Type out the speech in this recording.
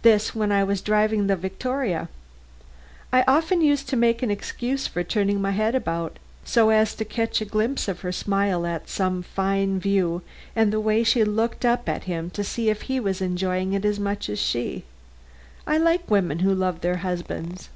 This, when I was driving the victoria. I often used to make excuse for turning my head about so as to catch a glimpse of her smile at some fine view and the way she looked up at him to see if he was enjoying it as much as she. I like women who love their husbands."